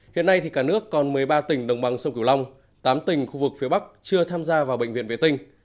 hiện nay thì cả nước còn một mươi ba tỉnh đồng bằng sông cửu long tám tỉnh khu vực phía bắc chưa tham gia vào bệnh viện vệ tinh